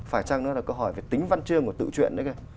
phải chăng nó là câu hỏi về tính văn trương của tự chuyện đấy kìa